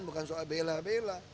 bukan soal bela bela